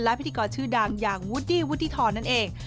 และพิธีกรชื่อดังอย่างวูดดี้วุฒิธรนั่นเอง